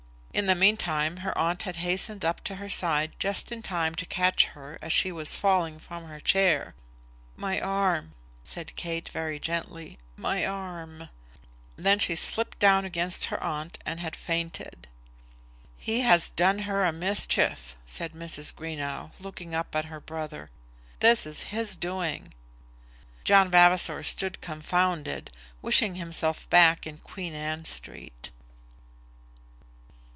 In the meantime her aunt had hastened up to her side just in time to catch her as she was falling from her chair. "My arm," said Kate, very gently; "my arm!" Then she slipped down against her aunt, and had fainted. "He has done her a mischief," said Mrs. Greenow, looking up at her brother. "This is his doing." John Vavasor stood confounded, wishing himself back in Queen Anne Street.